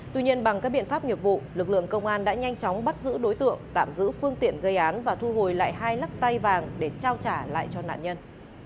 tuy nhiên bằng các biện pháp nghiệp vụ lực lượng công an đã nhanh chóng bắt giữ đối tượng tạm giữ phương tiện gây án và thu hồi lại hai lắc tay vàng để trao trả lại cho nạn nhân